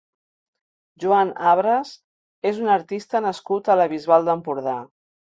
Joan Abras és un artista nascut a la Bisbal d'Empordà.